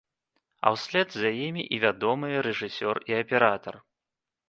А ў след за імі і вядомыя рэжысёр і аператар.